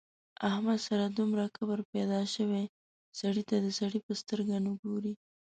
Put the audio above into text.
احمد سره دومره کبر پیدا شوی سړي ته د سړي په سترګه نه ګوري.